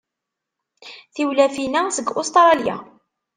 Tiwlafin-a seg Ustṛalya.